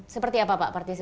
seperti apa pak partisipasi